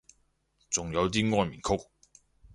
仲有啲安眠曲